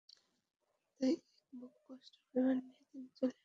তাই এক বুক কষ্ট ও অভিমান নিয়ে তিনি চলে গেলেন অলক্ষ্যে।